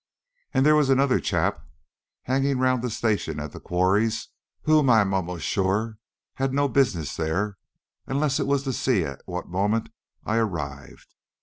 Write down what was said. And there was another chap hanging round the station at the quarries, whom I am almost sure had no business there unless it was to see at what moment I arrived.